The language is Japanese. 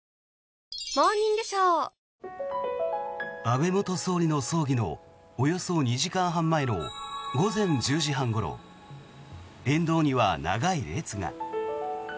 安倍元総理の葬儀のおよそ２時間半前の午前１０時半ごろ沿道には長い列が。